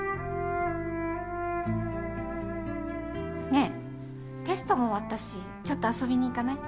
ねえテストも終わったしちょっと遊びに行かない？